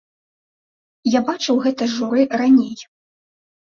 Я бачыў гэта журы раней.